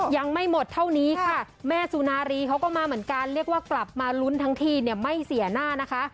ยังไม่หมดเท่านี้ค่ะแม่สุนารีเขาก็มาเหมือนกันเรียกว่ากลับมาลุ้นทั้งทีเนี่ยไม่เสียหน้านะคะ